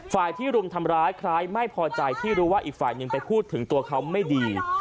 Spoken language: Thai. ฝ่ายที่รุมทำร้ายใครไม่พอใจที่รู้ว่าอีกฝ่ายหนึ่งไปพูดถึงตัวเขาไม่ดี